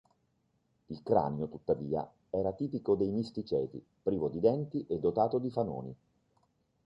Il cranio, tuttavia, era tipico dei misticeti, privo di denti e dotato di fanoni.